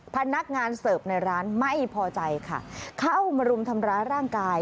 พนักงานเสิร์ฟในร้านไม่พอใจค่ะเข้ามารุมทำร้ายร่างกาย